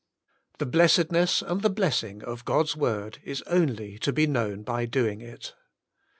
The blessedness and the blessing of God's "Word is only to be known by Doing It.